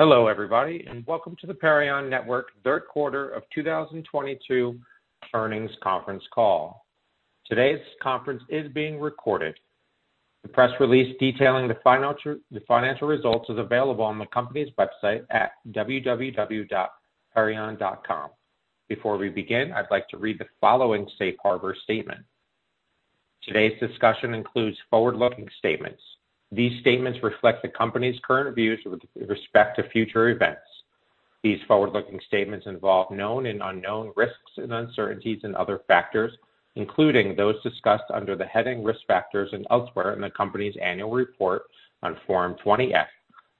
Hello, everybody, and welcome to the Perion Network third quarter of 2022 earnings conference call. Today's conference is being recorded. The press release detailing the financial results is available on the company's website at www.perion.com. Before we begin, I'd like to read the following safe harbor statement. Today's discussion includes forward-looking statements. These statements reflect the company's current views with respect to future events. These forward-looking statements involve known and unknown risks and uncertainties and other factors, including those discussed under the heading Risk Factors and elsewhere in the company's annual report on Form 20-F,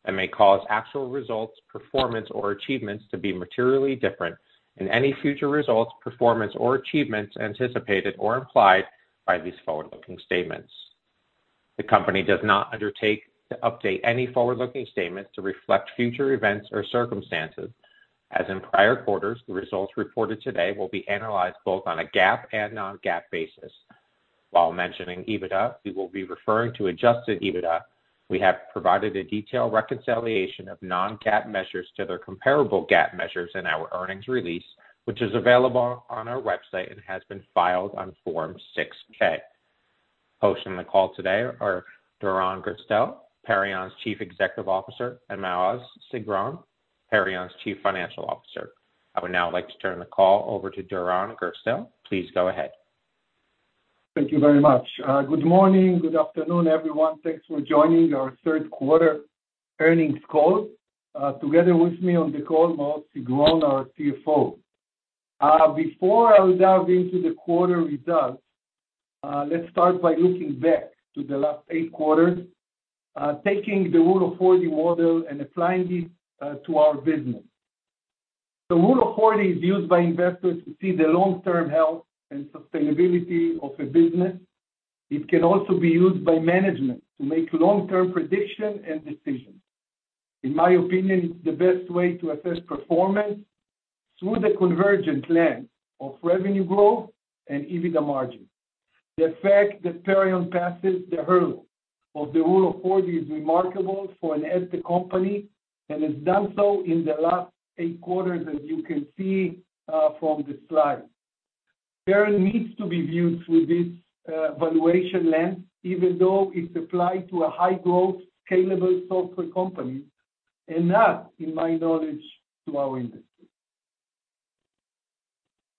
and may cause actual results, performance or achievements to be materially different in any future results, performance or achievements anticipated or implied by these forward-looking statements. The company does not undertake to update any forward-looking statements to reflect future events or circumstances. As in prior quarters, the results reported today will be analyzed both on a GAAP and non-GAAP basis. While mentioning EBITDA, we will be referring to adjusted EBITDA. We have provided a detailed reconciliation of non-GAAP measures to their comparable GAAP measures in our earnings release, which is available on our website and has been filed on Form 6-K. Hosting the call today are Doron Gerstel, Perion's Chief Executive Officer, and Maoz Sigron, Perion's Chief Financial Officer. I would now like to turn the call over to Doron Gerstel. Please go ahead. Thank you very much. Good morning, good afternoon, everyone. Thanks for joining our third quarter earnings call. Together with me on the call, Maoz Sigron, our CFO. Before I dive into the quarter results, let's start by looking back to the last eight quarters, taking the Rule of 40 model and applying it to our business. The Rule of 40 is used by investors to see the long-term health and sustainability of a business. It can also be used by management to make long-term prediction and decisions. In my opinion, it's the best way to assess performance through the convergent lens of revenue growth and EBITDA margin. The fact that Perion passes the hurdle of the Rule of 40 is remarkable for an AdTech company, and has done so in the last eight quarters, as you can see from the slide. Perion needs to be viewed through this valuation lens, even though it's applied to a high-growth, scalable software company, and not, in my knowledge, to our industry.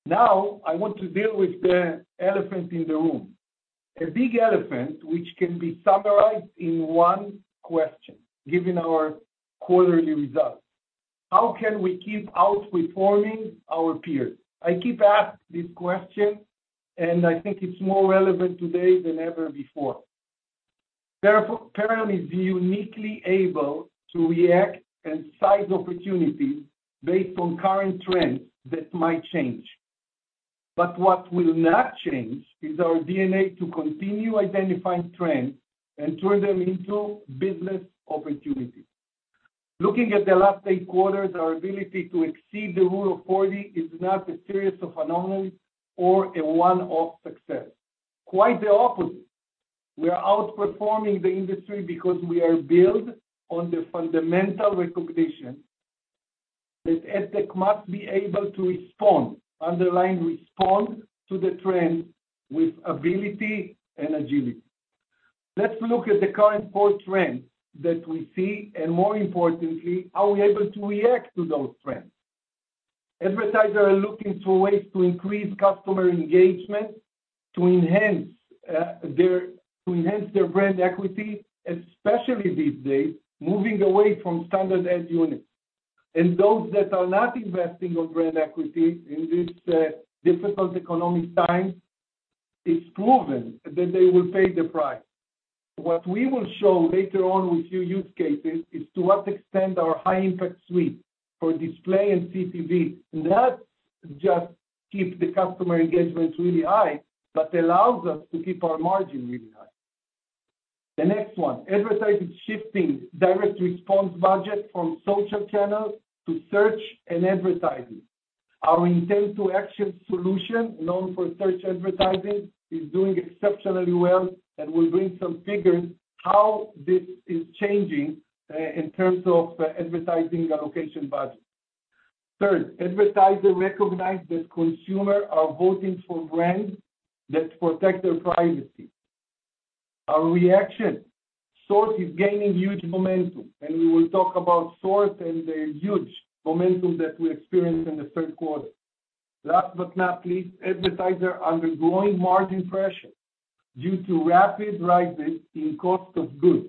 Now, I want to deal with the elephant in the room. A big elephant which can be summarized in one question, given our quarterly results. How can we keep outperforming our peers? I keep asking this question, and I think it's more relevant today than ever before. Therefore, Perion is uniquely able to react and seize opportunities based on current trends that might change. But what will not change is our DNA to continue identifying trends and turning them into business opportunities. Looking at the last eight quarters, our ability to exceed the Rule of 40 is not a series of anomalies or a one-off success. Quite the opposite. We are outperforming the industry because we are built on the fundamental recognition that AdTech must be able to respond, underline respond, to the trend with ability and agility. Let's look at the current core trends that we see, and more importantly, how we're able to react to those trends. Advertisers are looking for ways to increase customer engagement, to enhance their brand equity, especially these days, moving away from standard ad units. Those that are not investing in brand equity in this difficult economic time, it's proven that they will pay the price. What we will show later on with few use cases is to what extent our high impact suite for display and CTV, not just keep the customer engagements really high, but allows us to keep our margin really high. The next one, advertisers shifting direct response budget from social channels to search and advertising. Our Intent to Action solution known for search advertising is doing exceptionally well, and we'll bring some figures how this is changing, in terms of advertising allocation budget. Third, advertisers recognize that consumers are voting for brands that protect their privacy. Our SORT is gaining huge momentum, and we will talk about SORT and the huge momentum that we experienced in the third quarter. Last but not least, advertisers are undergoing margin pressure due to rapid rises in cost of goods.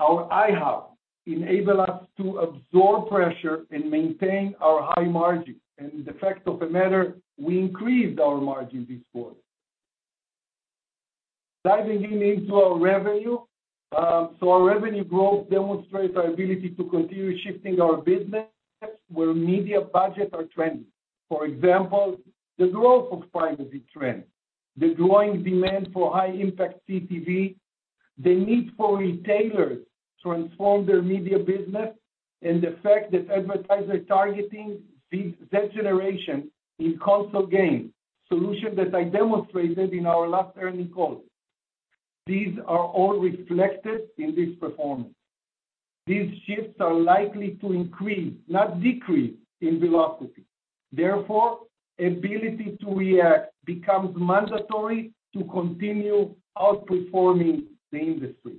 Our iHub enable us to absorb pressure and maintain our high margins. The fact of the matter, we increased our margin this quarter. Diving into our revenue. Our revenue growth demonstrates our ability to continue shifting our business where media budgets are trending. For example, the growth of privacy trends, the growing demand for high impact CTV, the need for retailers to transform their media business. The fact that advertisers targeting Gen Z generation in console games, solution that I demonstrated in our last earnings call. These are all reflected in this performance. These shifts are likely to increase, not decrease in velocity. Therefore, ability to react becomes mandatory to continue outperforming the industry.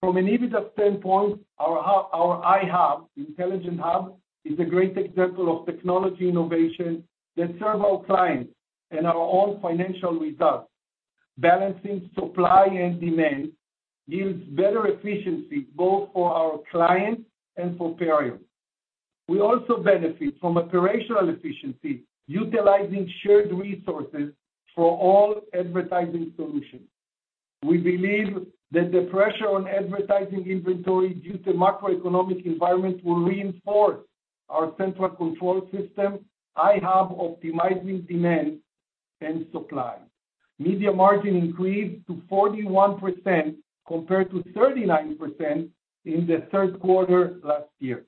From an EBITDA standpoint, our iHub, intelligent hub, is a great example of technology innovation that serve our clients and our own financial results. Balancing supply and demand yields better efficiency both for our clients and for Perion. We also benefit from operational efficiency utilizing shared resources for all advertising solutions. We believe that the pressure on advertising inventory due to macroeconomic environment will reinforce our central control system, iHub optimizing demand and supply. Media margin increased to 41% compared to 39% in the third quarter last year.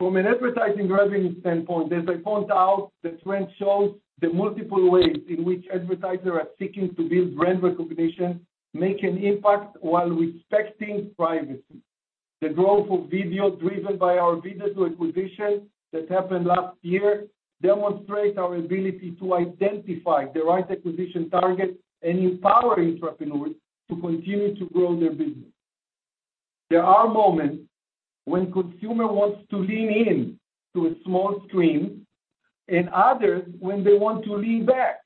From an advertising revenue standpoint, as I pointed out, the trend shows the multiple ways in which advertisers are seeking to build brand recognition, make an impact while respecting privacy. The growth of video driven by our Vidazoo acquisition that happened last year demonstrate our ability to identify the right acquisition target and empower entrepreneurs to continue to grow their business. There are moments when consumer wants to lean in to a small screen, and others when they want to lean back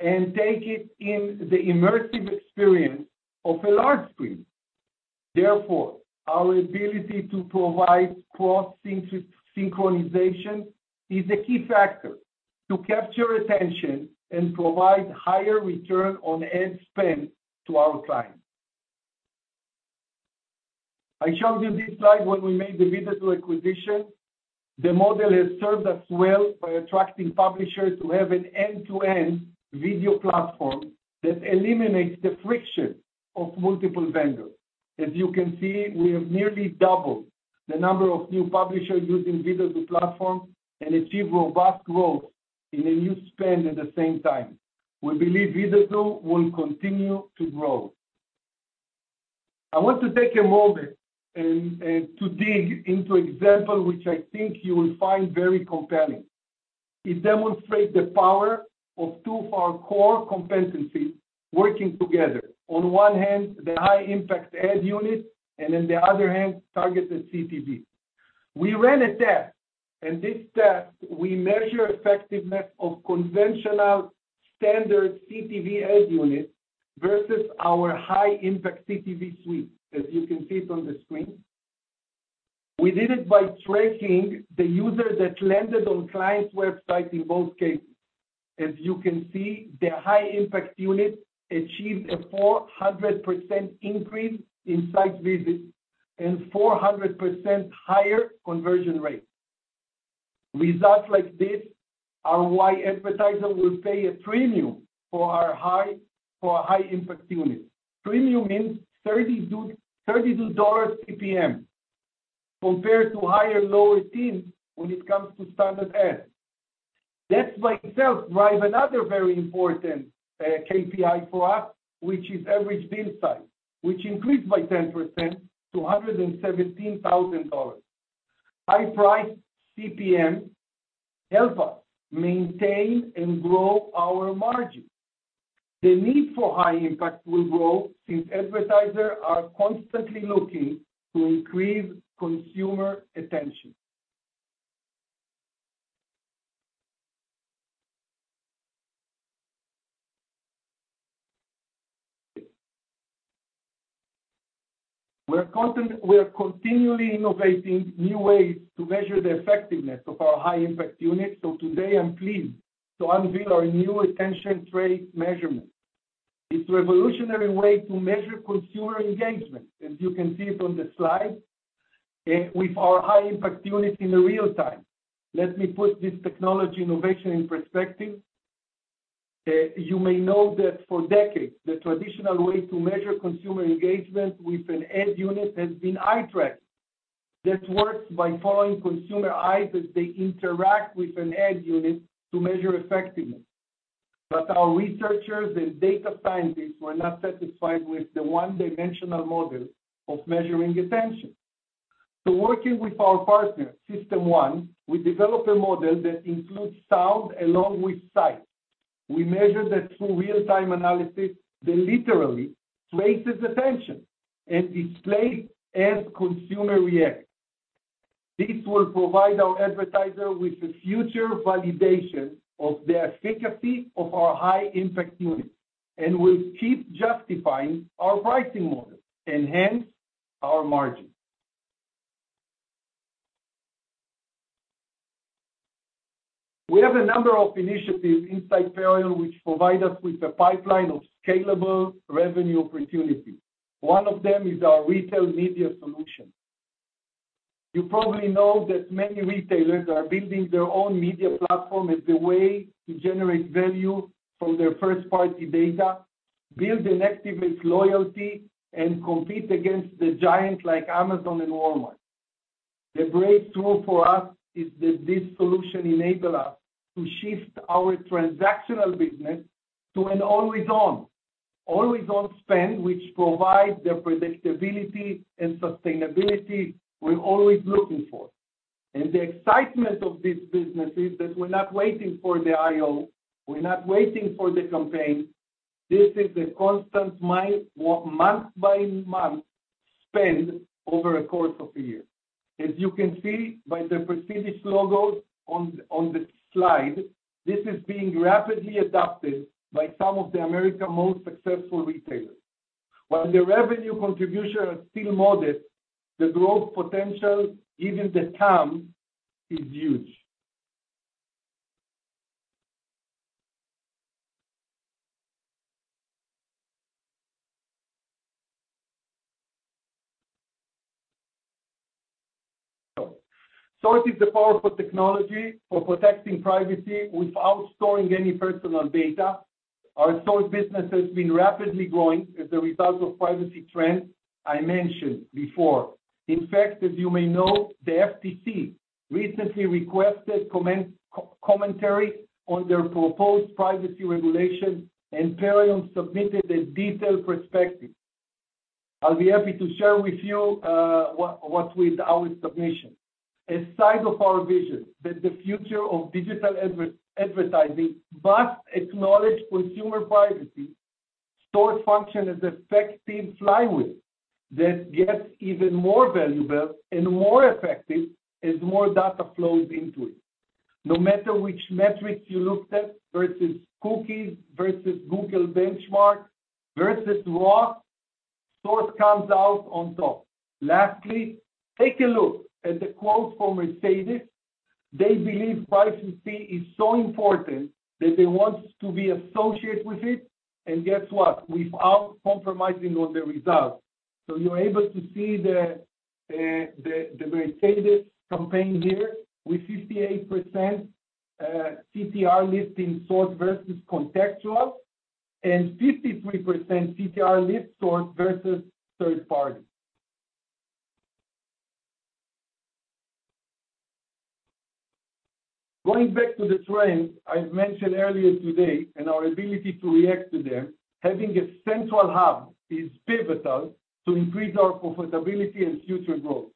and take it in the immersive experience of a large screen. Therefore, our ability to provide cross synchronization is a key factor to capture attention and provide higher return on ad spend to our clients. I showed you this slide when we made the Vidazoo acquisition. The model has served us well by attracting publishers who have an end-to-end video platform that eliminates the friction of multiple vendors. As you can see, we have nearly doubled the number of new publishers using Vidazoo platform and achieve robust growth in a new spend at the same time. We believe Vidazoo will continue to grow. I want to take a moment and to dig into example, which I think you will find very compelling. It demonstrate the power of two of our core competencies working together. On one hand, the high impact ad unit, and on the other hand, targeted CTV. We ran a test, and this test we measure effectiveness of conventional standard CTV ad unit versus our high impact CTV suite, as you can see it on the screen. We did it by tracking the user that landed on client's website in both cases. As you can see, the high impact unit achieved a 400% increase in site visits and 400% higher conversion rate. Results like this are why advertisers will pay a premium for our high impact units. Premium means $32 CPM compared to higher lower teens when it comes to standard ads. That by itself drive another very important KPI for us, which is average deal size, which increased by 10% to $117,000. High price CPM help us maintain and grow our margin. The need for high impact will grow since advertisers are constantly looking to increase consumer attention. We are continually innovating new ways to measure the effectiveness of our high impact units. Today I'm pleased to unveil our new attention trade measurement. It's a revolutionary way to measure consumer engagement, as you can see it on the slide, with our high impact units in real time. Let me put this technology innovation in perspective. You may know that for decades, the traditional way to measure consumer engagement with an ad unit has been eye tracking. This works by following consumer eyes as they interact with an ad unit to measure effectiveness. Our researchers and data scientists were not satisfied with the one-dimensional model of measuring attention. Working with our partner, System1, we developed a model that includes sound along with sight. We measure that through real-time analysis that literally traces attention and displays as consumer react. This will provide our advertisers with the future validation of the efficacy of our high impact units, and will keep justifying our pricing model, enhance our margin. We have a number of initiatives inside Perion which provide us with a pipeline of scalable revenue opportunities. One of them is our retail media solution. You probably know that many retailers are building their own media platform as the way to generate value from their first-party data, build and activate loyalty, and compete against the giant like Amazon and Walmart. The breakthrough for us is that this solution enable us to shift our transactional business to an always on spend, which provide the predictability and sustainability we're always looking for. The excitement of this business is that we're not waiting for the IO, we're not waiting for the campaign. This is a constant month by month spend over a course of a year. As you can see by the prestigious logos on the slide, this is being rapidly adopted by some of America's most successful retailers. While the revenue contribution are still modest, the growth potential given the TAM is huge. SORT is the powerful technology for protecting privacy without storing any personal data. Our SORT business has been rapidly growing as a result of privacy trends I mentioned before. In fact, as you may know, the FTC recently requested commentary on their proposed privacy regulation, and Perion submitted a detailed perspective. I'll be happy to share with you what's with our submission. A side of our vision that the future of digital advertising must acknowledge consumer privacy, SORT functions as effective flywheel that gets even more valuable and more effective as more data flows into it. No matter which metrics you looked at, versus cookies, versus Google benchmark, versus raw, SORT comes out on top. Lastly, take a look at the quote from Mercedes. They believe privacy is so important that they want to be associated with it, and guess what? Without compromising on the results. You're able to see the Mercedes campaign here with 58% CTR lift in SORT versus contextual, and 53% CTR lift SORT versus third party. Going back to the trends I've mentioned earlier today and our ability to react to them, having a central hub is pivotal to increase our profitability and future growth.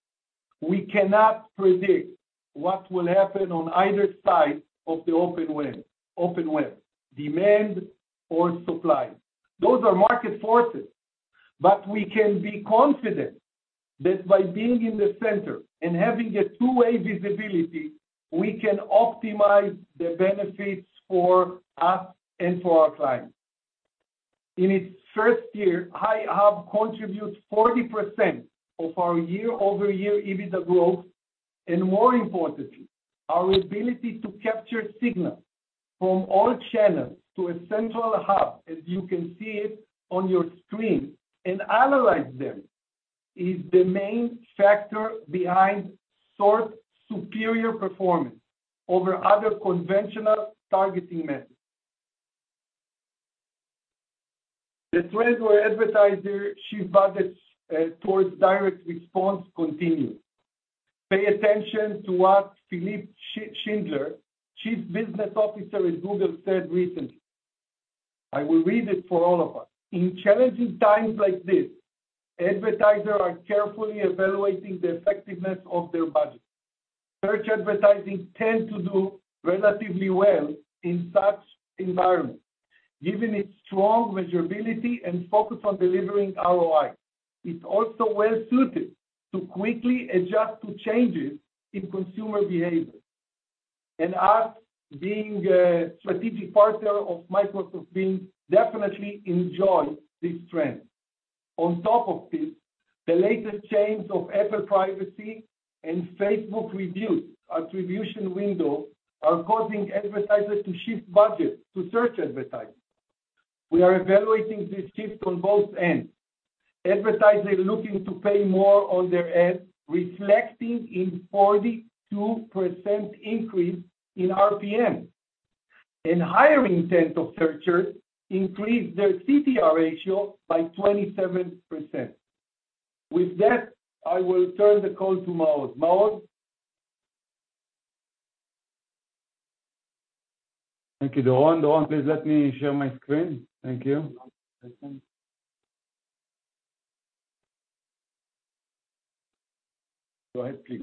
We cannot predict what will happen on either side of the open web, demand or supply. Those are market forces. We can be confident that by being in the center and having a two-way visibility, we can optimize the benefits for us and for our clients. In its first year, iHub contributes 40% of our year-over-year EBITDA growth. More importantly, our ability to capture signals from all channels to a central hub, as you can see it on your screen, and analyze them, is the main factor behind SORT's superior performance over other conventional targeting methods. The trends where advertisers shift budgets towards direct response continue. Pay attention to what Philipp Schindler, Chief Business Officer at Google, said recently. I will read it for all of us. "In challenging times like this, advertisers are carefully evaluating the effectiveness of their budget. Search advertising tends to do relatively well in such environments, giving it strong measurability and focus on delivering ROI. It's also well-suited to quickly adjust to changes in consumer behavior." Us, being a strategic partner of Microsoft Bing, definitely enjoy this trend. On top of this, the latest change of Apple's privacy and Facebook's reduced attribution window are causing advertisers to shift budgets to search advertising. We are evaluating this shift on both ends. Advertisers looking to pay more on their ads, reflecting n 42% increase in RPM. Higher intent of searchers increased their CTR ratio by 27%. With that, I will turn the call to Maoz. Maoz? Thank you, Doron. Doron, please let me share my screen. Thank you. One second. Go ahead, please.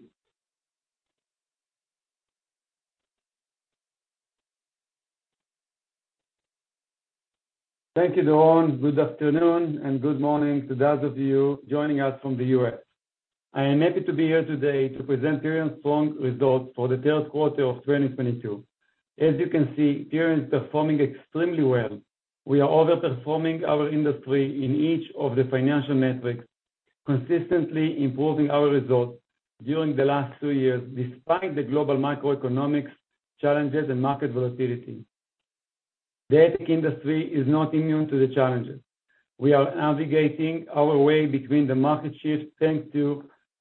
Thank you, Doron. Good afternoon, and good morning to those of you joining us from the U.S. I am happy to be here today to present Perion's strong results for the third quarter of 2022. As you can see, Perion is performing extremely well. We are over-performing our industry in each of the financial metrics, consistently improving our results during the last two years, despite the global macroeconomic challenges and market volatility. The tech industry is not immune to the challenges. We are navigating our way between the market shift, thanks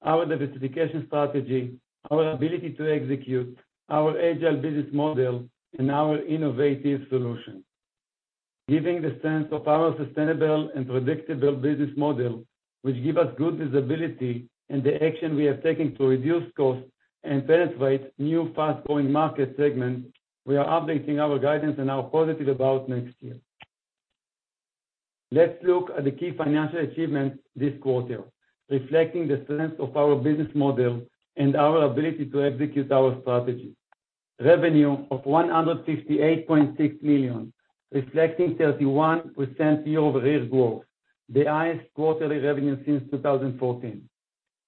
to our diversification strategy, our ability to execute, our agile business model, and our innovative solutions. Given the sense of our sustainable and predictable business model, which give us good visibility and the action we have taken to reduce costs and penetrate new fast-growing market segments, we are updating our guidance and are positive about next year. Let's look at the key financial achievements this quarter, reflecting the strength of our business model and our ability to execute our strategy. Revenue of $158.6 million, reflecting 31% year-over-year growth, the highest quarterly revenue since 2014.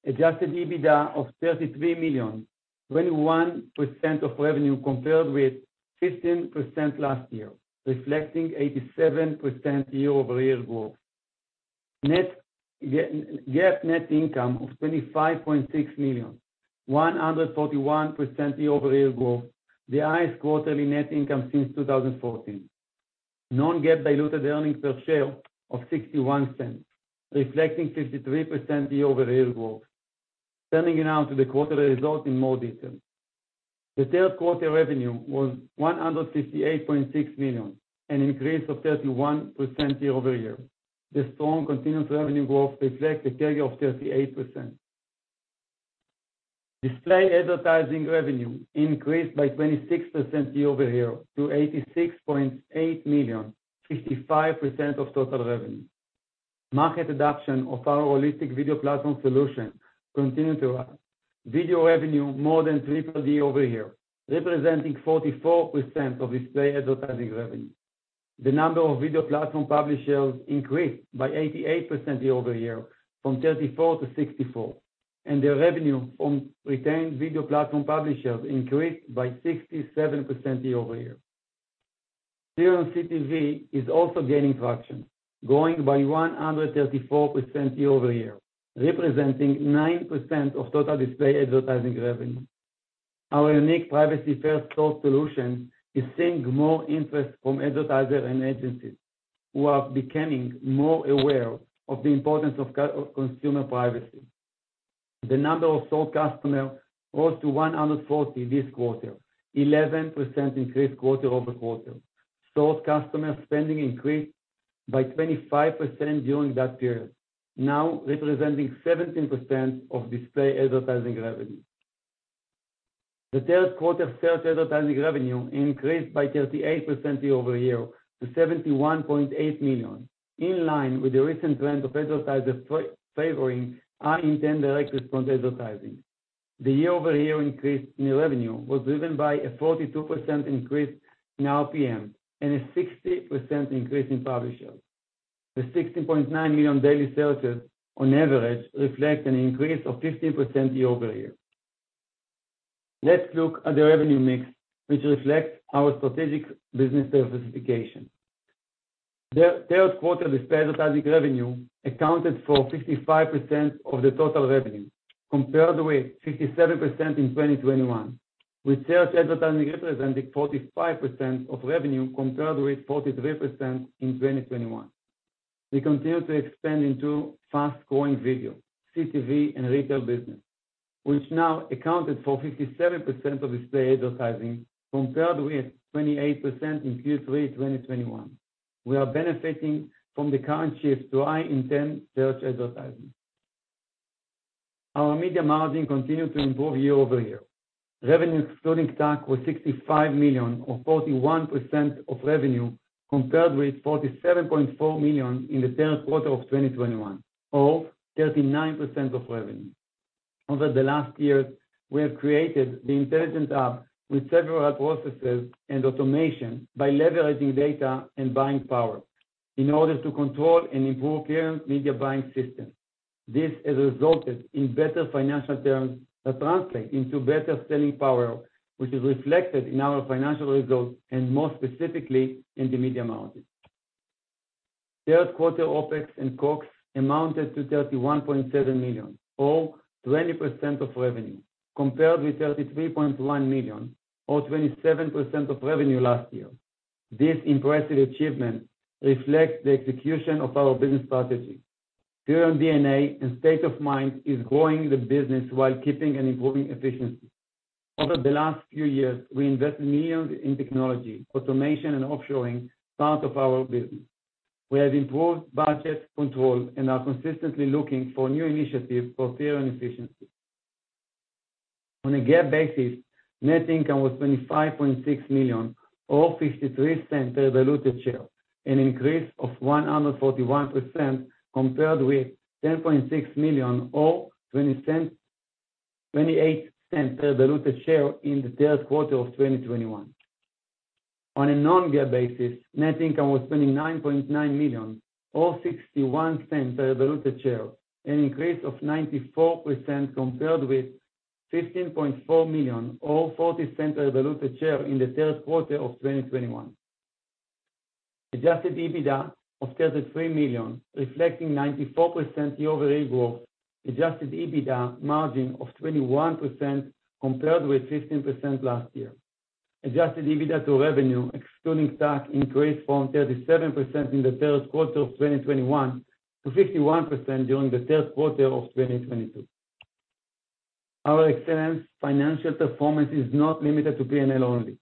Adjusted EBITDA of $33 million, 21% of revenue compared with 15% last year, reflecting 87% year-over-year growth. Net GAAP net income of $25.6 million, 141% year-over-year growth, the highest quarterly net income since 2014. Non-GAAP diluted earnings per share of $0.61, reflecting 53% year-over-year growth. Turning now to the quarterly results in more detail. The third quarter revenue was $158.6 million, an increase of 31% year-over-year. The strong continuous revenue growth reflects a carry of 38%. Display advertising revenue increased by 26% year-over-year to $86.8 million, 55% of total revenue. Market adoption of our holistic video platform solution continued to rise. Video revenue more than tripled year-over-year, representing 44% of display advertising revenue. The number of video platform publishers increased by 88% year-over-year from 34 to 64, and the revenue from retained video platform publishers increased by 67% year-over-year. Our CTV is also gaining traction, growing by 134% year-over-year, representing 9% of total display advertising revenue. Our unique privacy-first SORT solution is seeing more interest from advertisers and agencies who are becoming more aware of the importance of consumer privacy. The number of active customers rose to 140 this quarter, 11% increase quarter-over-quarter. Sold customer spending increased by 25% during that period, now representing 17% of display advertising revenue. The third quarter search advertising revenue increased by 38% year-over-year to $71.8 million, in line with the recent trend of advertisers favoring our intent direct response advertising. The year-over-year increase in revenue was driven by a 42% increase in RPM and a 60% increase in publishers. The 60.9 million daily searches on average reflect an increase of 15% year-over-year. Let's look at the revenue mix, which reflects our strategic business diversification. Third quarter display advertising revenue accounted for 55% of the total revenue, compared with 57% in 2021, with search advertising representing 45% of revenue compared with 43% in 2021. We continue to expand into fast-growing video, CTV and retail business, which now accounted for 57% of display advertising, compared with 28% in Q3 2021. We are benefiting from the current shift to high intent search advertising. Our media margin continued to improve year-over-year. Revenue excluding tax was $65 million or 41% of revenue, compared with $47.4 million in the third quarter of 2021, or 39% of revenue. Over the last year, we have created the intelligence app with several ad processes and automation by leveraging data and buying power in order to control and improve current media buying system. This has resulted in better financial terms that translate into better selling power, which is reflected in our financial results and more specifically in the media margin. Third quarter OpEx and CapEx amounted to $31.7 million or 20% of revenue, compared with $33.1 million or 27% of revenue last year. This impressive achievement reflects the execution of our business strategy. Herein lies our DNA and state of mind: growing the business while keeping and improving efficiency. Over the last few years, we invested millions in technology, automation and offshoring part of our business. We have improved budget control and are consistently looking for new initiatives for further efficiency. On a GAAP basis, net income was $25.6 million or $0.53 per diluted share, an increase of 141% compared with $10.6 million or $0.28 per diluted share in the third quarter of 2021. On a non-GAAP basis, net income was $29.9 million or $0.61 per diluted share, an increase of 94% compared with $15.4 million or $0.40 per diluted share in the third quarter of 2021. Adjusted EBITDA of $33 million, reflecting 94% year-over-year growth. Adjusted EBITDA margin of 21% compared with 15% last year. Adjusted EBITDA to revenue excluding stock increased from 37% in the third quarter of 2021 to 51% during the third quarter of 2022. Our excellent financial performance is not limited to P&L only.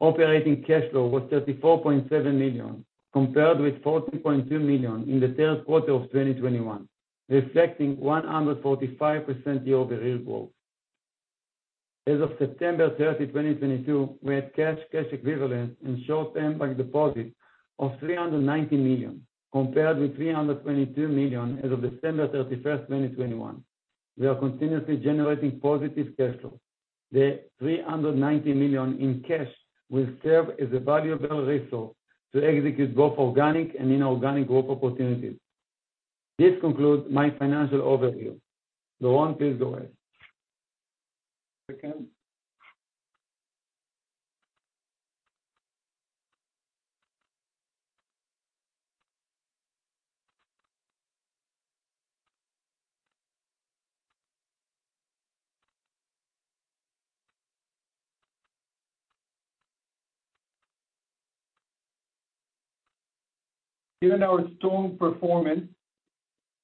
Operating cash flow was $34.7 million compared with $14.2 million in the third quarter of 2021, reflecting 145% year-over-year growth. As of September 30, 2022, we had cash equivalents, and short-term bank deposits of $390 million, compared with $322 million as of December 31, 2021. We are continuously generating positive cash flow. The $390 million in cash will serve as a valuable resource to execute both organic and inorganic growth opportunities. This concludes my financial overview. Doron, please go ahead. Thank you. Given our strong performance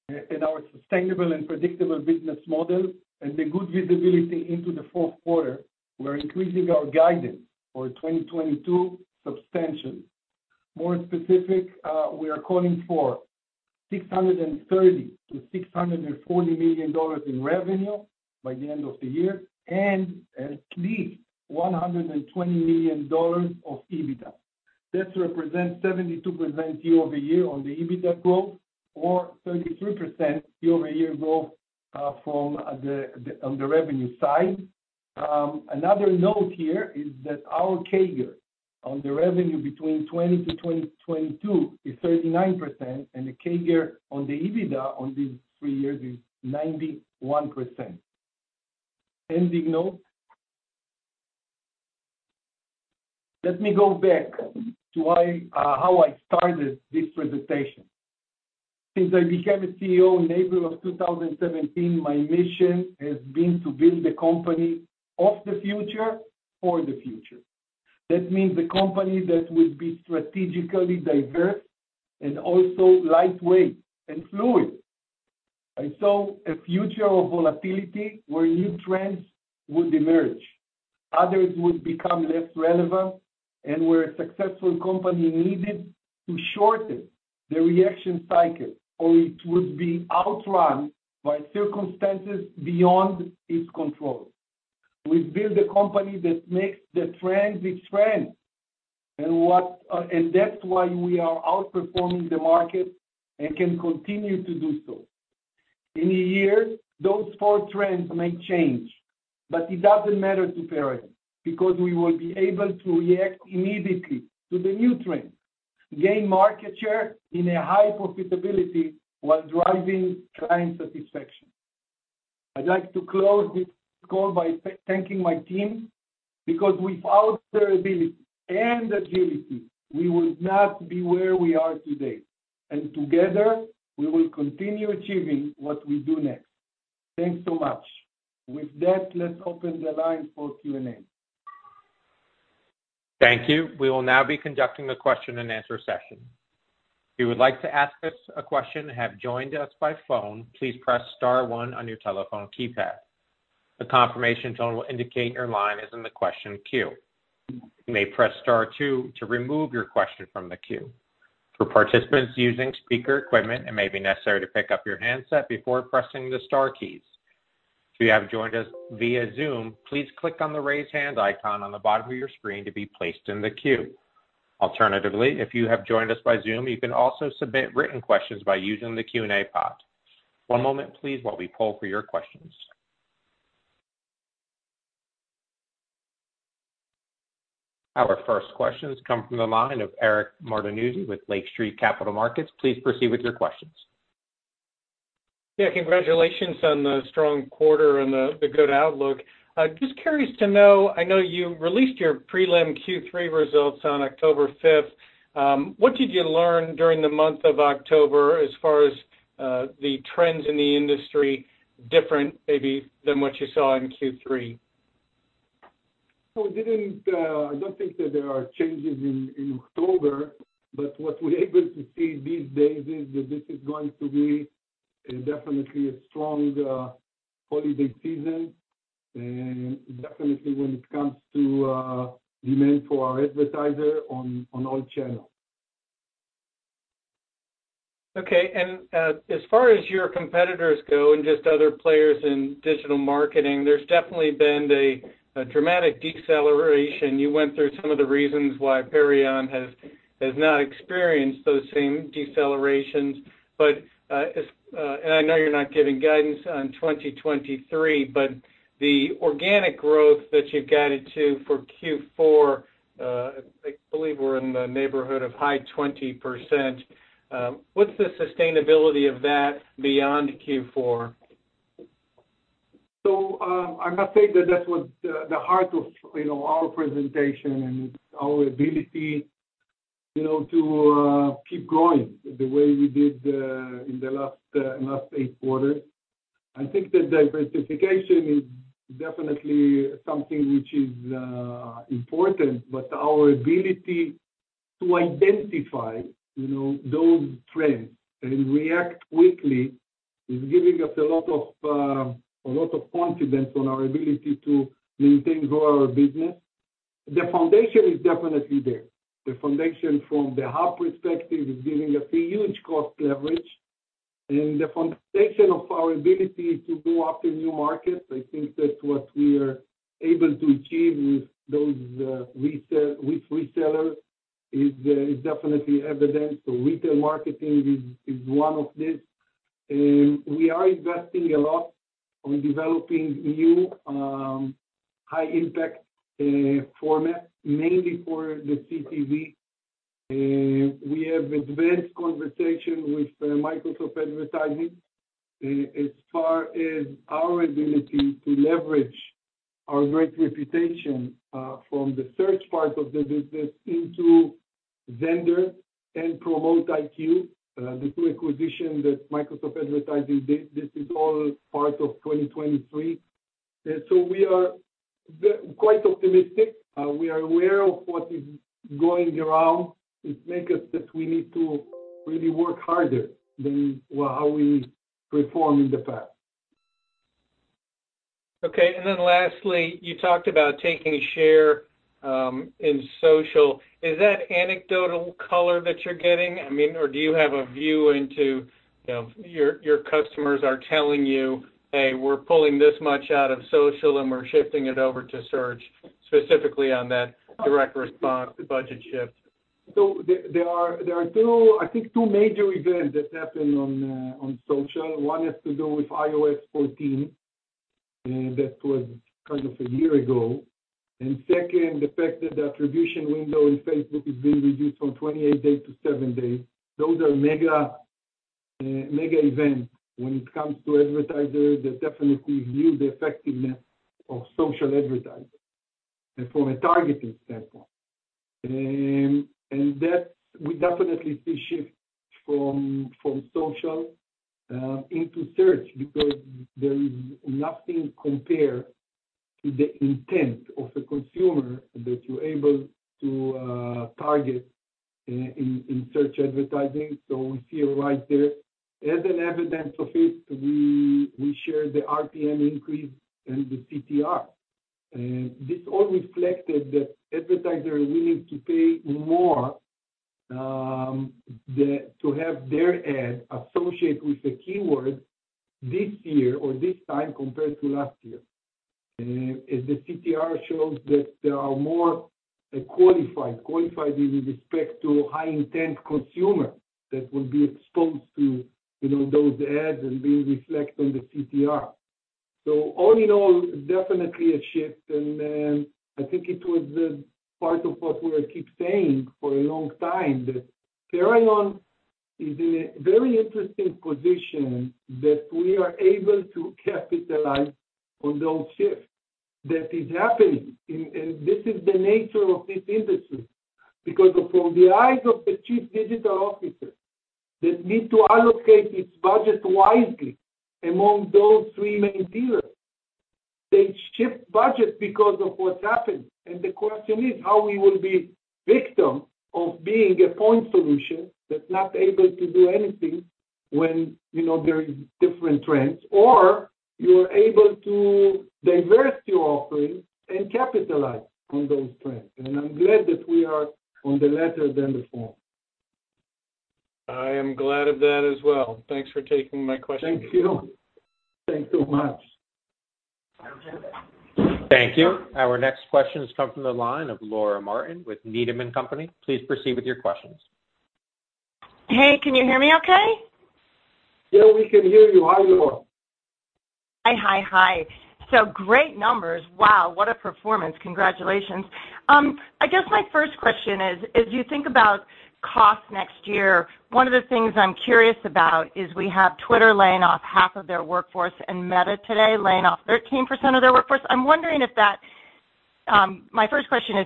and our sustainable and predictable business model and the good visibility into the fourth quarter, we're increasing our guidance for 2022 substantially. More specific, we are calling for $630 million-$640 million in revenue by the end of the year, and at least $120 million of EBITDA. This represents 72% year-over-year on the EBITDA growth or 33% year-over-year growth from the on the revenue side. Another note here is that our CAGR on the revenue between 2020 to 2022 is 39%, and the CAGR on the EBITDA on these three years is 91%. Ending note. Let me go back to why how I started this presentation. Since I became a CEO in April of 2017, my mission has been to build the company of the future for the future. That means the company that will be strategically diverse and also lightweight and fluid. I saw a future of volatility where new trends would emerge, others would become less relevant, and where a successful company needed to shorten the reaction cycle, or it would be outrun by circumstances beyond its control. We built a company that makes the trends its friends, and that's why we are outperforming the market and can continue to do so. In a year, those four trends may change, but it doesn't matter to Perion because we will be able to react immediately to the new trends, gain market share in a high profitability while driving client satisfaction. I'd like to close this call by thanking my team because without their ability and agility, we would not be where we are today, and together, we will continue achieving what we do next. Thanks so much. With that, let's open the line for Q&A. Thank you. We will now be conducting a question-and-answer session. If you would like to ask us a question and have joined us by phone, please press star one on your telephone keypad. A confirmation tone will indicate your line is in the question queue. You may press star two to remove your question from the queue. For participants using speaker equipment, it may be necessary to pick up your handset before pressing the star keys. If you have joined us via Zoom, please click on the Raise Hand icon on the bottom of your screen to be placed in the queue. Alternatively, if you have joined us by Zoom, you can also submit written questions by using the Q&A pod. One moment, please, while we poll for your questions. Our first questions come from the line of Eric Martinuzzi with Lake Street Capital Markets. Please proceed with your questions. Yeah, congratulations on the strong quarter and the good outlook. Just curious to know, I know you released your prelim Q3 results on October fifth. What did you learn during the month of Octobervas far as the trends in the industry different maybe than what you saw in Q3? We didn't. I don't think that there are changes in October, but what we're able to see these days is that this is going to be definitely a strong holiday season and definitely when it comes to demand for our advertiser on all channels. As far as your competitors go and just other players in digital marketing, there's definitely been a dramatic deceleration. You went through some of the reasons why Perion has not experienced those same decelerations. I know you're not giving guidance on 2023, but the organic growth that you've guided to for Q4, I believe we're in the neighborhood of high 20%. What's the sustainability of that beyond Q4? I must say that was the heart of, you know, our presentation and our ability, you know, to keep growing the way we did in the last eight quarters. I think the diversification is definitely something which is important, but our ability to identify, you know, those trends and react quickly is giving us a lot of confidence on our ability to maintain, grow our business. The foundation is definitely there. The foundation from the hub perspective is giving us a huge cost leverage. The foundation of our ability to go after new markets, I think that what we are able to achieve with those with resellers is definitely evident. Retail marketing is one of this. We are investing a lot on developing new, high impact format, mainly for the CTV. We have advanced conversation with Microsoft Advertising, as far as our ability to leverage our great reputation from the search part of the business into Xandr and PromoteIQ, the two acquisitions that Microsoft Advertising did, this is all part of 2023. We are quite optimistic. We are aware of what is going around. It make us that we need to really work harder than, well, how we performed in the past. Okay. Lastly, you talked about taking a share in social. Is that anecdotal color that you're getting? I mean, or do you have a view into, you know, your customers are telling you, "Hey, we're pulling this much out of social, and we're shifting it over to search," specifically on that direct response to budget shift? There are, I think, two major events that happened on social. One has to do with iOS 14, that was kind of a year ago. Second, the fact that the attribution window in Facebook is being reduced from 28 days to seven days. Those are mega events when it comes to advertisers that definitely view the effectiveness of social advertising, and from a targeting standpoint. That's. We definitely see shift from social into search because there is nothing compared to the intent of the consumer that you're able to target in search advertising. We see a rise there. As evidence of it, we share the RPM increase and the CTR. This all reflected that advertisers are willing to pay more to have their ad associated with the keywords this year or this time compared to last year. As the CTR shows that there are more qualified with respect to high intent consumer that will be exposed to, you know, those ads and being reflected in the CTR. All in all, definitely a shift. I think it was part of what we keep saying for a long time, that Perion is in a very interesting position that we are able to capitalize on those shifts that is happening. This is the nature of this industry because from the eyes of the chief digital officer who needs to allocate their budget wisely among those three main dealers, they shift budget because of what's happened. The question is how we will be victim of being a point solution that's not able to do anything when, you know, there is different trends, or you're able to diversify your offering and capitalize on those trends. I'm glad that we are rather than the former. I am glad of that as well. Thanks for taking my question. Thank you. Thanks so much. Thank you. Our next question has come from the line of Laura Martin with Needham & Company. Please proceed with your questions. Hey, can you hear me okay? Yeah, we can hear you. Hi, Laura. Hi. Great numbers. Wow, what a performance. Congratulations. I guess my first question is, as you think about costs next year, one of the things I'm curious about is we have Twitter laying off half of their workforce and Meta today laying off 13% of their workforce.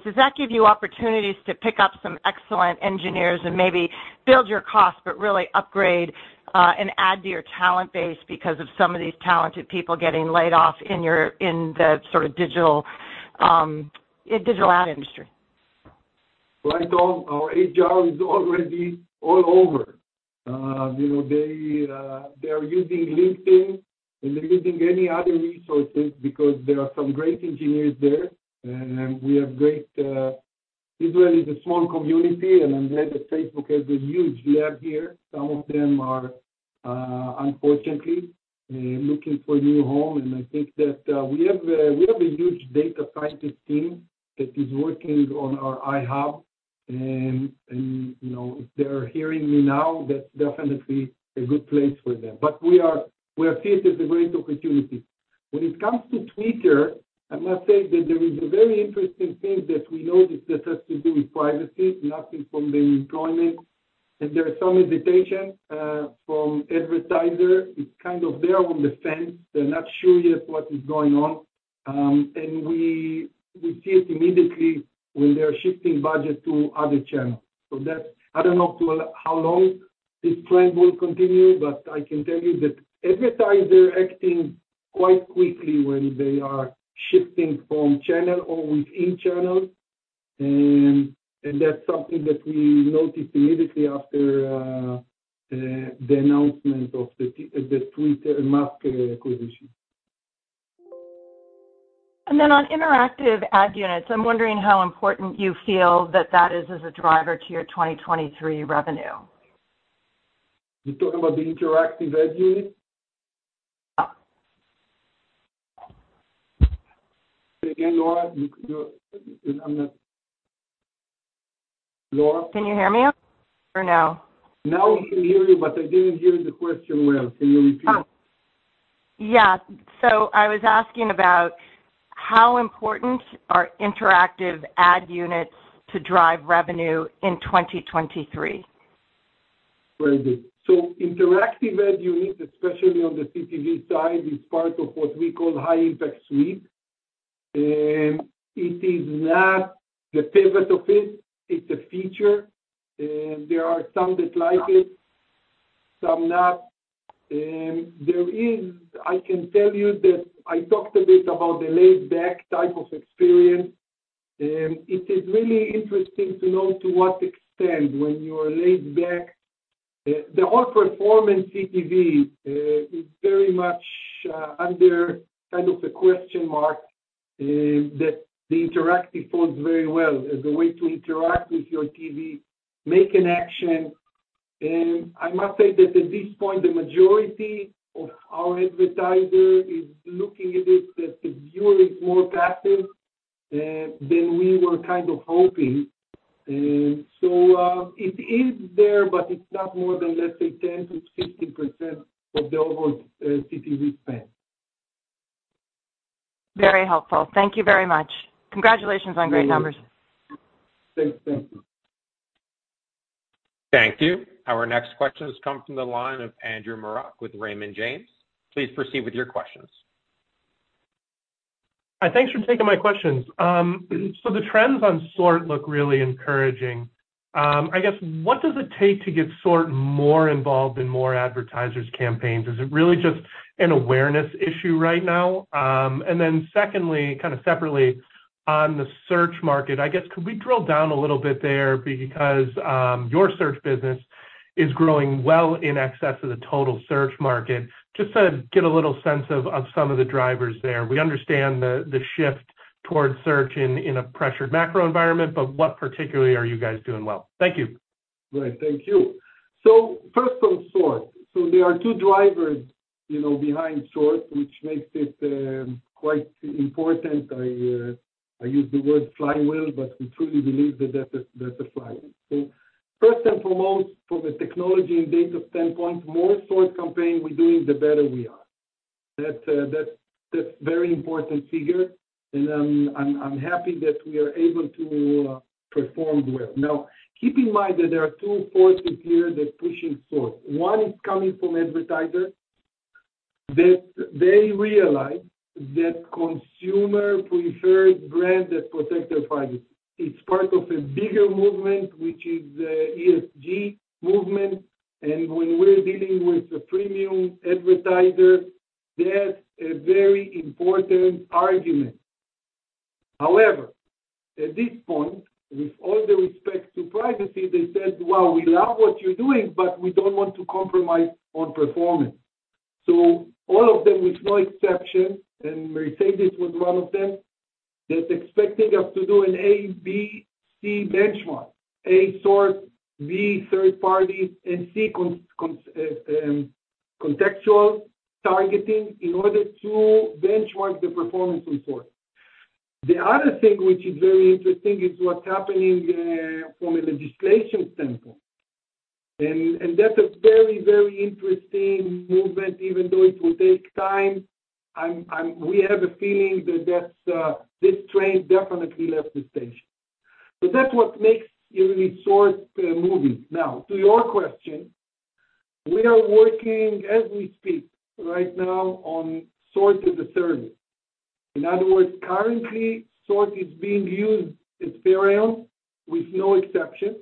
Does that give you opportunities to pick up some excellent engineers and maybe build your costs, but really upgrade and add to your talent base because of some of these talented people getting laid off in the sort of digital ad industry? Right on. Our HR is already all over. You know, they are using LinkedIn, and they're using any other resources because there are some great engineers there. We have great Israel is a small community, and I'm glad that Facebook has a huge lab here. Some of them are unfortunately looking for a new home. I think that we have a huge data scientist team that is working on our iHub. You know, if they're hearing me now, that's definitely a good place for them. We see it as a great opportunity. When it comes to Twitter, I must say that there is a very interesting thing that we noticed that has to do with privacy, nothing from the employment. There are some hesitation from advertisers. It's kind of they're on the fence. They're not sure yet what is going on. We see it immediately when they are shifting budget to other channels. That's I don't know how long this trend will continue, but I can tell you that advertiser acting quite quickly when they are shifting from channel or within channels. That's something that we noticed immediately after the announcement of the Twitter and Musk acquisition. On interactive ad units, I'm wondering how important you feel that is as a driver to your 2023 revenue? You're talking about the interactive ad unit? Yeah. Again, Laura, you could do it. Laura? Can you hear me or no? Now we can hear you, but I didn't hear the question well. Can you repeat? Oh, yeah. I was asking about how important are interactive ad units to drive revenue in 2023. Very good. Interactive ad units, especially on the CTV side, is part of what we call high impact suite. It is not the pivot of it's a feature. There are some that like it, some not. I can tell you that I talked a bit about the laid-back type of experience. It is really interesting to know to what extent when you are laid back. The whole performance CTV is very much under kind of a question mark that the interactive falls very well as a way to interact with your TV, make an action. I must say that at this point, the majority of our advertiser is looking at it that the viewer is more passive than we were kind of hoping. It is there, but it's not more than, let's say, 10%-15% of the overall CTV spend. Very helpful. Thank you very much. Congratulations on great numbers. Thank you. Thank you. Our next question has come from the line of Andrew Marok with Raymond James. Please proceed with your questions. Thanks for taking my questions. So the trends on SORT look really encouraging. I guess what does it take to get SORT more involved in more advertisers' campaigns? Is it really just an awareness issue right now? Secondly, kind of separately on the search market, I guess, could we drill down a little bit there because your search business is growing well in excess of the total search market. Just to get a little sense of some of the drivers there. We understand the shift towards search in a pressured macro environment, but what particularly are you guys doing well? Thank you. Right. Thank you. First on SORT. There are two drivers, you know, behind SORT, which makes it quite important. I use the word flywheel, but we truly believe that that's a flywheel. First and foremost, from a technology and data standpoint, more SORT campaign we're doing, the better we are. That's very important figure, and I'm happy that we are able to perform well. Now, keep in mind that there are two forces here that's pushing SORT. One is coming from advertisers, that they realize that consumer prefers brand that protect their privacy. It's part of a bigger movement, which is ESG movement. When we're dealing with the premium advertisers, that's a very important argument. However, at this point, with all due respect to privacy, they said, "Well, we love what you're doing, but we don't want to compromise on performance." All of them, with no exception, and Mercedes-Benz was one of them, they're expecting us to do an A, B, C benchmark. A, SORT, B, third parties, and C, contextual targeting in order to benchmark the performance report. The other thing which is very interesting is what's happening from a legislation standpoint. That's a very, very interesting movement, even though it will take time. We have a feeling that this train definitely left the station. That's what really makes SORT moving. Now, to your question, we are working as we speak right now on SORT as a service. In other words, currently, SORT is being used as bare metal with no exception.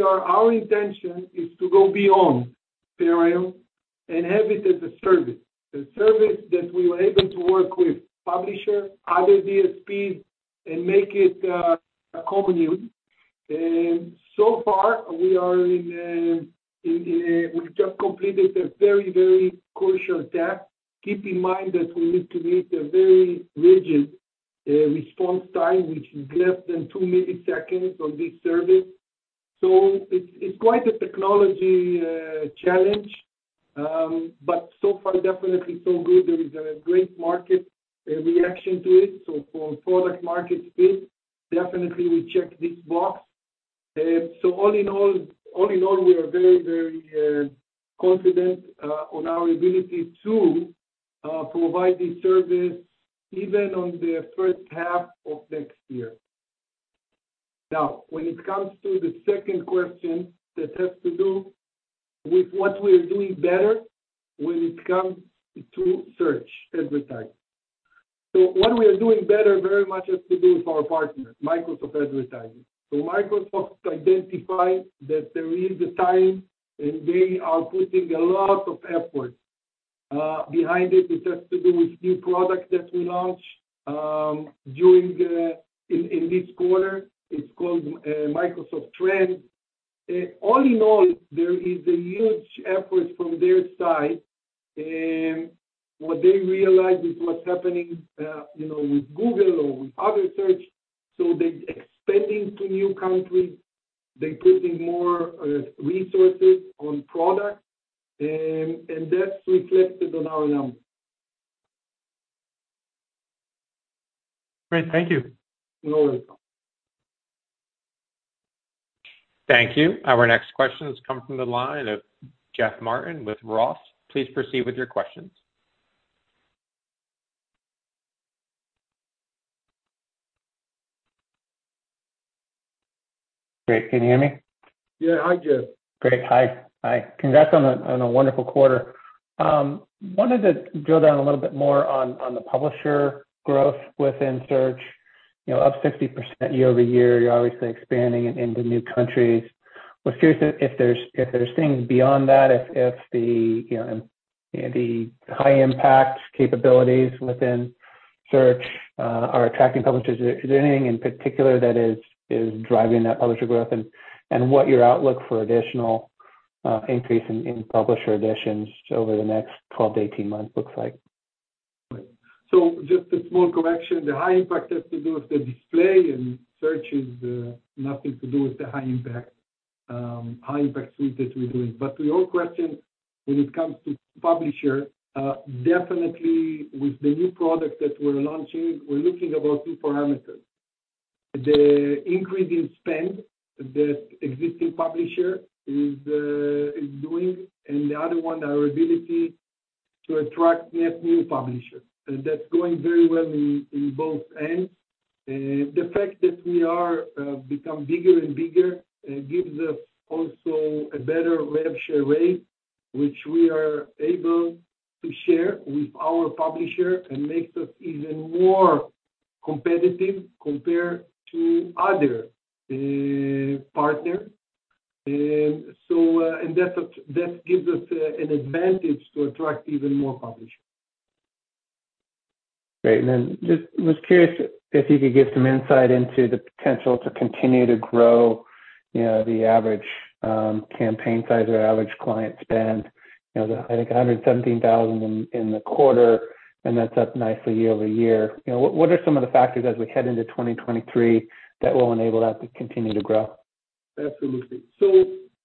Our intention is to go beyond bare metal and have it as a service, a service that we were able to work with publisher, other DSPs, and make it a company. So far we are in, we've just completed a very crucial step. Keep in mind that we need to meet a very rigid response time, which is less than 2 milliseconds on this service. It's quite a technology challenge. So far, definitely so good. There is a great market reaction to it. For product market fit, definitely we check this box. All in all, we are very confident on our ability to provide the service even on the first half of next year. Now, when it comes to the second question that has to do with what we are doing better when it comes to search advertising. What we are doing better very much has to do with our partner, Microsoft Advertising. Microsoft identified that there is a time, and they are putting a lot of effort behind it, which has to do with new products that we launch in this quarter. It's called Microsoft Trends. All in all, there is a huge effort from their side in what they realize is what's happening, you know, with Google or with other search, so they're expanding to new countries, they're putting more resources on products, and that's reflected on our numbers. Great. Thank you. You're welcome. Thank you. Our next question comes from the line of Jeff Martin with ROTH. Please proceed with your questions. Great. Can you hear me? Yeah. Hi, Jeff. Great. Hi. Hi. Congrats on a wonderful quarter. Wanted to drill down a little bit more on the publisher growth within search, you know, up 60% year-over-year, you're obviously expanding it into new countries. Was curious if there's things beyond that, if the, you know, the high impact capabilities within search are attracting publishers. Is there anything in particular that is driving that publisher growth and what your outlook for additional increase in publisher additions over the next 12-18 months looks like? Just a small correction. The high impact has to do with the display, and search is nothing to do with the high impact, high impact suite that we're doing. To your question, when it comes to publisher, definitely with the new product that we're launching, we're looking about two parameters. The increase in spend that existing publisher is doing, and the other one, our ability to attract net new publisher. That's going very well in both ends. The fact that we are becoming bigger and bigger gives us also a better revenue share rate, which we are able to share with our publisher and makes us even more competitive compared to other partner. That gives us an advantage to attract even more publishers. Great. Just was curious if you could give some insight into the potential to continue to grow, you know, the average, campaign size or average client spend. You know, the, I think $117,000 in the quarter, and that's up nicely year-overyear. You know, what are some of the factors as we head into 2023 that will enable that to continue to grow? Absolutely.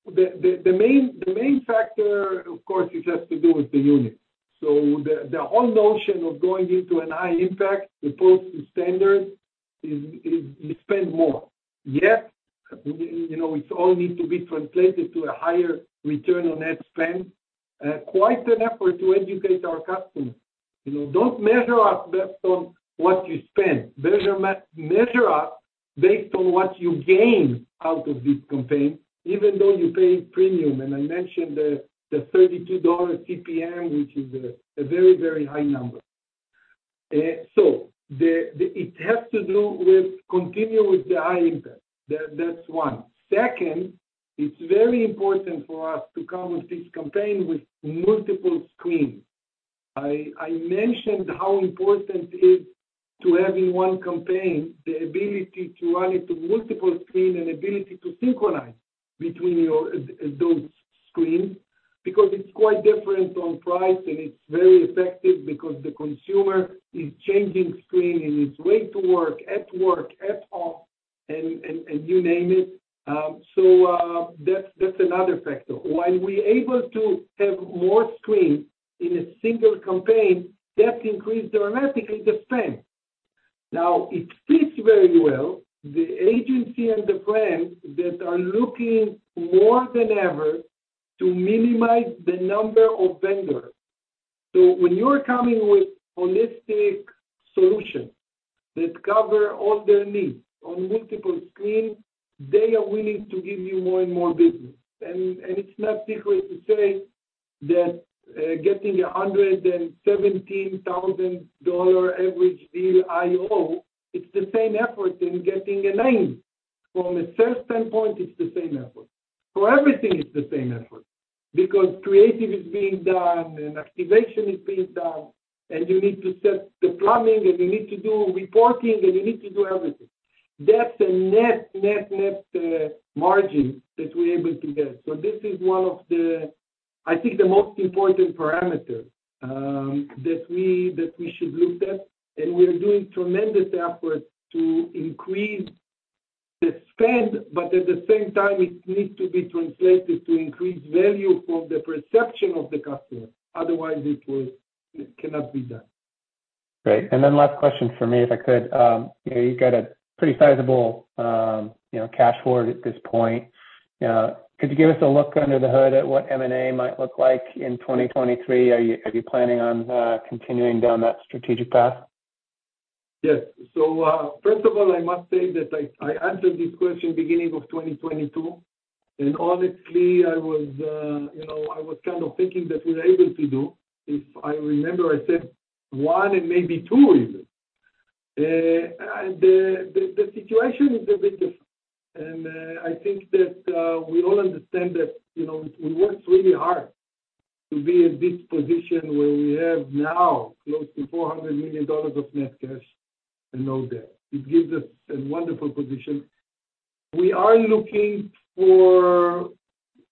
The main factor, of course, it has to do with the unit. The whole notion of going into a high impact opposed to standard is you spend more, yet, you know, it all needs to be translated to a higher return on ad spend. Quite an effort to educate our customers. You know, don't measure us based on what you spend. Measure us based on what you gain out of this campaign, even though you're paying premium, and I mentioned the $32 CPM, which is a very, very high number. It has to do with continue with the high impact. That's one. Second, it's very important for us to come with this campaign with multiple screens. I mentioned how important is to have in one campaign the ability to run it to multiple screen and ability to synchronize between your, those screens because it's quite different on price, and it's very effective because the consumer is changing screen in his way to work, at work, at home, and you name it. That's another factor. While we're able to have more screens in a single campaign, that increase dramatically the spend. Now, it fits very well the agency and the brand that are looking more than ever to minimize the number of vendors. When you're coming with holistic solution that cover all their needs on multiple screen, they are willing to give you more and more business. It's no secret to say that getting a $117,000 average deal IO, it's the same effort in getting a nine. From a sales standpoint, it's the same effort. For everything, it's the same effort because creative is being done and activation is being done, and you need to set the plumbing, and you need to do reporting, and you need to do everything. That's a net margin that we're able to get. This is one of the, I think, the most important parameter that we should look at. We're doing tremendous efforts to increase the spend, but at the same time, it needs to be translated to increase value from the perception of the customer. Otherwise, it cannot be done. Great. Last question for me, if I could. You know, you've got a pretty sizable, you know, cash hoard at this point. Could you give us a look under the hood at what M&A might look like in 2023? Are you planning on continuing down that strategic path? Yes. First of all, I must say that I answered this question beginning of 2022, and honestly, I was, you know, I was kind of thinking that we're able to do. If I remember, I said one and maybe two even. The situation is a bit different. I think that, we all understand that, you know, we worked really hard to be in this position where we have now close to $400 million of net cash and no debt. It gives us a wonderful position. We are looking for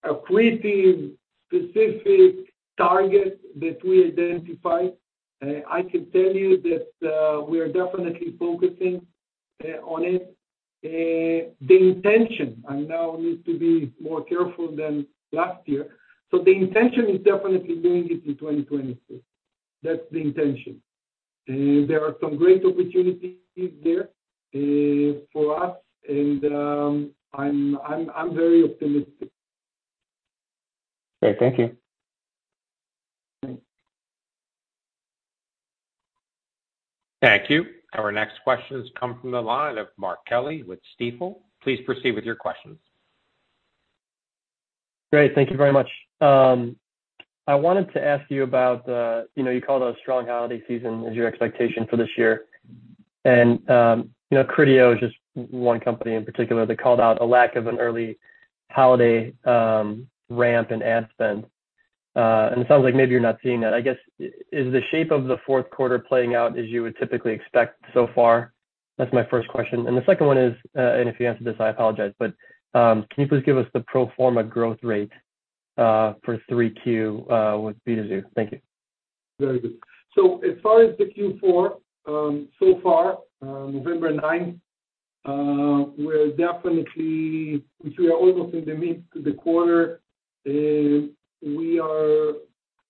a pretty specific target that we identify. I can tell you that, we are definitely focusing on it. The intention, I now need to be more careful than last year. The intention is definitely doing it in 2023. That's the intention. There are some great opportunities there for us and I'm very optimistic. Great. Thank you. Thanks. Thank you. Our next question has come from the line of Mark Kelley with Stifel. Please proceed with your questions. Great. Thank you very much. I wanted to ask you about the, you know, you called a strong holiday season as your expectation for this year. You know, Criteo is just one company in particular that called out a lack of an early holiday ramp in ad spend. It sounds like maybe you're not seeing that. I guess, is the shape of the fourth quarter playing out as you would typically expect so far? That's my first question. The second one is, and if you answered this, I apologize, but, can you please give us the pro forma growth rate, for Q3, with video? Thank you. Very good. As far as the Q4 so far, November ninth, we're definitely almost in the middle of the quarter,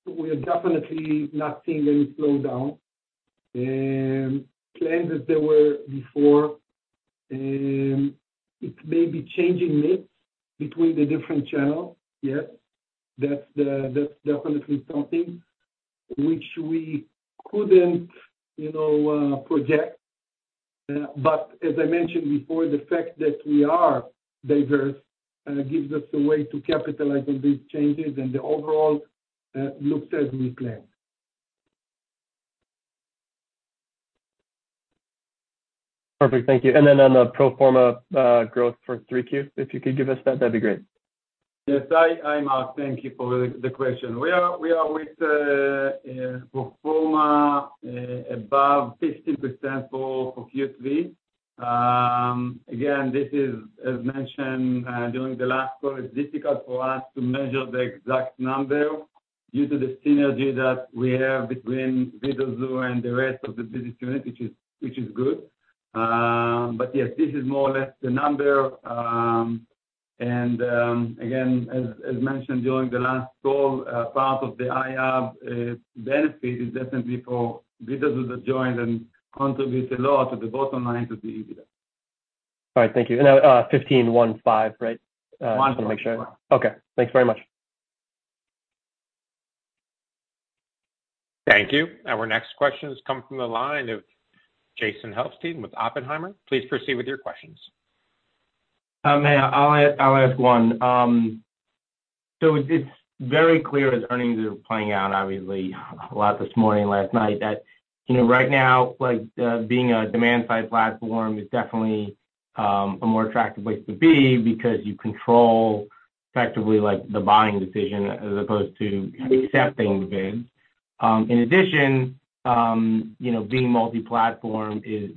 and we are definitely not seeing any slowdown claims that there were before. It may be changing mix between the different channels, yes. That's definitely something which we couldn't, you know, project. As I mentioned before, the fact that we are diverse gives us a way to capitalize on these changes, and the overall looks as we planned. Perfect. Thank you. On the pro forma, growth for Q3, if you could give us that'd be great. Yes. I must thank you for the question. We are pro forma above 15% for Q3. Again, this is as mentioned during the last call. It's difficult for us to measure the exact number due to the synergy that we have between Vidazoo and the rest of the business unit, which is good. Yes, this is more or less the number. Again, as mentioned during the last call, part of the iHub benefit is definitely from Vidazoo joining and contribute a lot to the bottom line too, even. All right. Thank you. 15 1 5, right? 1415. Just to make sure. Okay. Thanks very much. Thank you. Our next question has come from the line of Jason Helfstein with Oppenheimer. Please proceed with your questions. Yeah, I'll ask one. So it's very clear as earnings are playing out, obviously a lot this morning, last night, that you know right now like being a demand-side platform is definitely a more attractive place to be because you control effectively like the buying decision as opposed to accepting bids. In addition, you know, being multi-platform is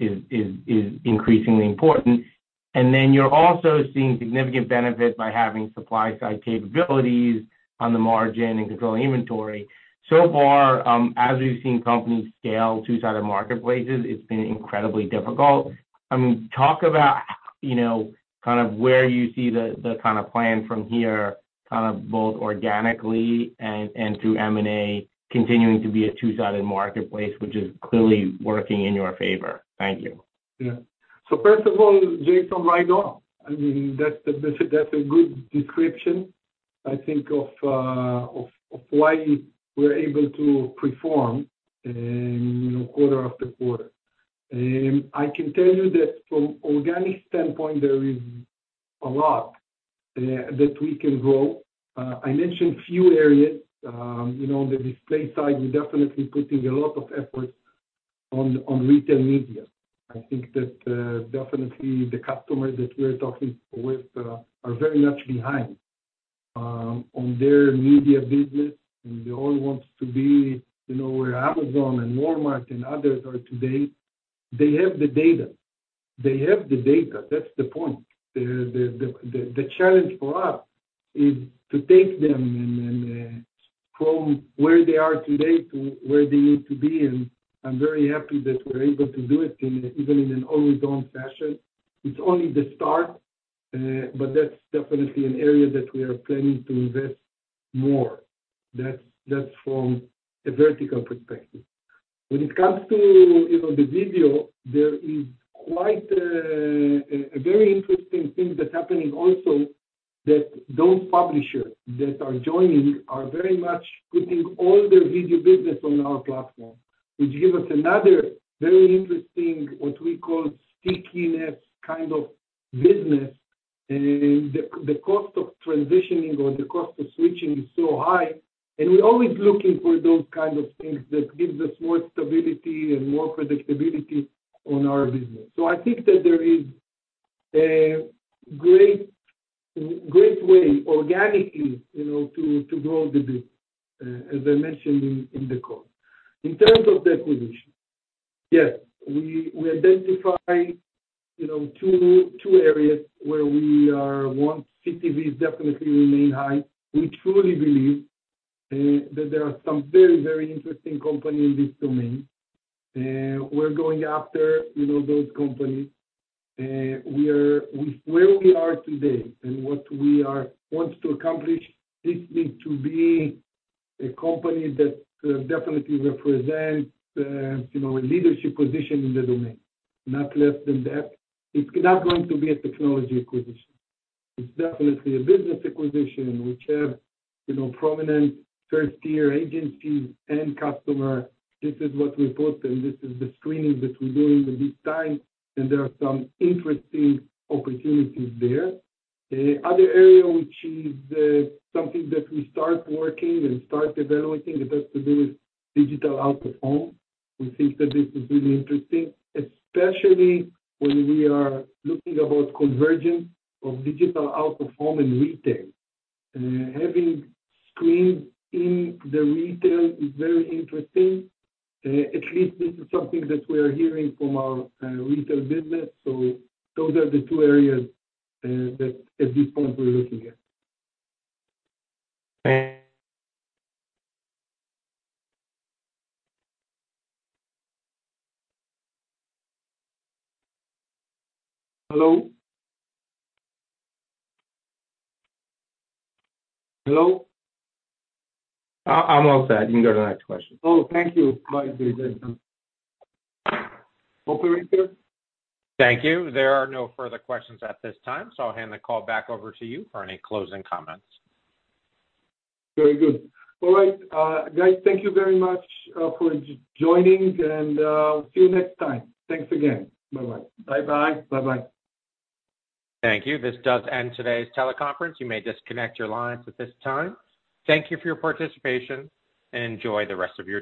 increasingly important. You're also seeing significant benefit by having supply-side capabilities on the margin and controlling inventory. So far, as we've seen companies scale two-sided marketplaces, it's been incredibly difficult. I mean, talk about you know kind of where you see the kind of plan from here, kind of both organically and through M&A continuing to be a two-sided marketplace, which is clearly working in your favor. Thank you. Yeah. First of all, Jason, right on. I mean, that's a good description, I think of why we're able to perform quarter after quarter. I can tell you that from organic standpoint, there is a lot that we can grow. I mentioned few areas. You know, on the display side, we're definitely putting a lot of efforts on retail media. I think that definitely the customers that we're talking with are very much behind on their media business, and they all want to be, you know, where Amazon and Walmart and others are today. They have the data. They have the data. That's the point. The challenge for us is to take them and from where they are today to where they need to be. I'm very happy that we're able to do it in even an ongoing fashion. It's only the start, but that's definitely an area that we are planning to invest more. That's from a vertical perspective. When it comes to, you know, the video, there is quite a very interesting thing that's happening also that those publishers that are joining are very much putting all their video business on our platform, which give us another very interesting, what we call stickiness kind of business. The cost of transitioning or the cost of switching is so high, and we're always looking for those kind of things that gives us more stability and more predictability on our business. I think that there is a great way organically, you know, to grow the business, as I mentioned in the call. In terms of the acquisition, yes. We identify, you know, two areas where we want CTV definitely remain high. We truly believe that there are some very interesting companies in this domain. We're going after, you know, those companies. We are where we are today and what we want to accomplish. This needs to be a company that definitely represents, you know, a leadership position in the domain. Not less than that. It's not going to be a technology acquisition. It's definitely a business acquisition, which have, you know, prominent Tier 1 agencies and customers. This is what we look for, and this is the screening that we're doing at this time, and there are some interesting opportunities there. Other area, which is something that we start working and evaluating has to do with Digital Out-of-Home. We think that this is really interesting, especially when we are looking about convergence of Digital Out-of-Home and retail. Having screens in the retail is very interesting. At least this is something that we are hearing from our retail business. Those are the two areas that at this point we're looking at. Hello? Hello? I'm all set. You can go to the next question. Oh, thank you. My pleasure. Operator? Thank you. There are no further questions at this time, so I'll hand the call back over to you for any closing comments. Very good. All right. Guys, thank you very much for joining, and see you next time. Thanks again. Bye-bye. Bye-bye. Bye-bye. Thank you. This does end today's teleconference. You may disconnect your lines at this time. Thank you for your participation and enjoy the rest of your day.